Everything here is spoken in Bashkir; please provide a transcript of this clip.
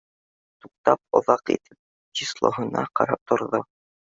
Туҡтап, оҙаҡ итеп числоһына ҡарап торҙо